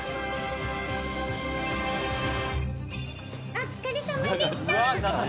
お疲れさまでした。